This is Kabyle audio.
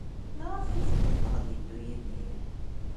Maɣef ay tella tebɣa ad yeddu Yidir?